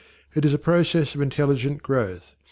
It is a process of intelligent growth.